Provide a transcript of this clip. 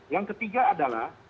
yang ketiga adalah